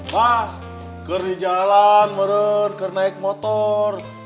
mah keren di jalan brother keren naik motor